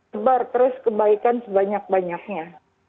sebar terus kebaikan sebanyak banyaknya